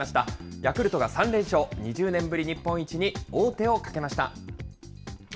ヤクルトが３連勝、２０年ぶり日本一に王手をかけました。